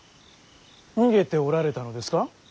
逃げておられたのですか。